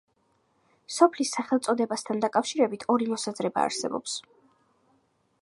სოფლის სახელწოდებასთან დაკავშირებით ორი მოსაზრება არსებობს.